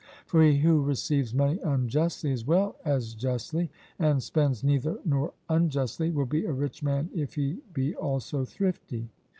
For he who receives money unjustly as well as justly, and spends neither nor unjustly, will be a rich man if he be also thrifty.